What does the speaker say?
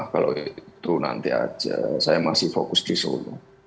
kalau itu nanti aja saya masih fokus di solo